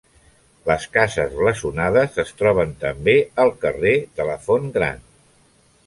Les cases blasonades es troben també al carrer de la Font Gran.